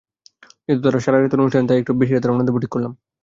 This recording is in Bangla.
যেহেতু সারা রাতের অনুষ্ঠান, তাই একটু বেশি রাতে রওনা দেব ঠিক করলাম।